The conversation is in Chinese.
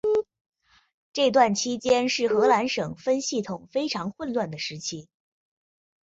这段期间是荷兰省分系统非常混乱的时期。